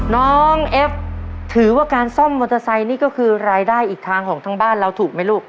น้องเอฟถือว่าการซ่อมมอเตอร์ไซค์นี่ก็คือรายได้อีกทางของทั้งบ้านเราถูกไหมลูก